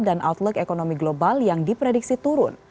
outlook ekonomi global yang diprediksi turun